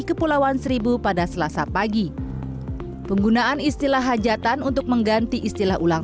kepulauan seribu pada selasa pagi penggunaan istilah hajatan untuk mengganti istilah ulang